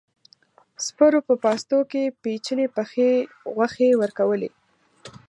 سپرو په پاستو کې پيچلې پخې غوښې ورکولې.